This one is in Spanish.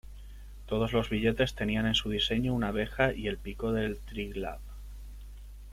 Todos los billetes tenían en su diseño una abeja y el pico del Triglav.